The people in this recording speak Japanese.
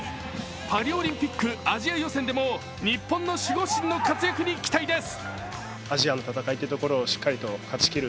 パリオリンピックアジア予選でも日本の守護神の活躍に期待です。